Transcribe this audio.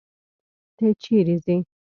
ته چيري ځې؟